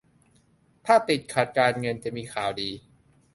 ถ้าติดขัดการเงินจะมีข่าวดี